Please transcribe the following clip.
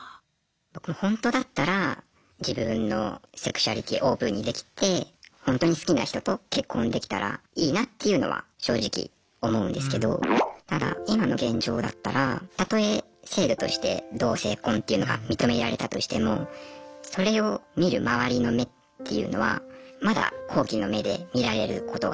僕ほんとだったら自分のセクシュアリティーオープンにできてほんとに好きな人と結婚できたらいいなっていうのは正直思うんですけどただ今の現状だったらたとえ制度として同性婚というのが認められたとしてもそれを見る周りの目っていうのはまだ好奇の目で見られることが。